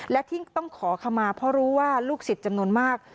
และที่ต้องขอขมาเพราะรู้ว่าลูกศิษย์จำนวนมาก